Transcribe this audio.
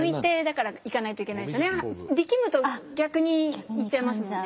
力むと逆に言っちゃいますもんね。